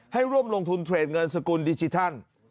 ให้ร่วมลงทุนเทรดเงินสกุลดิจิทัล